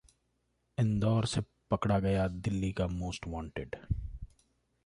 इंदौर से पकड़ा गया दिल्ली का मोस्ट वॉन्टेड